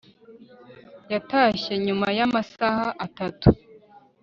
Yatashye nyuma yamasaha atatu